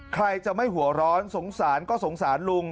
ใครจะไม่หัวร้อนสงสารก็สงสารลุง